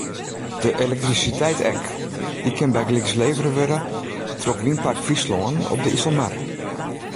De elektrisiteit ek: dy kin bygelyks levere wurde troch Wynpark Fryslân op de Iselmar.